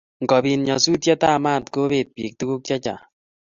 ngobit nyasutet ab maat kobet pik tukuk che chang